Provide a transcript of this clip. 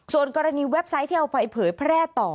ส่วนกรณีเว็บไซต์ที่เอาไปเผยแพร่ต่อ